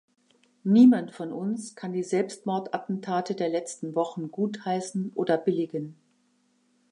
Niemand von uns kann die Selbstmordattentate der letzten Wochen gutheißen oder billigen.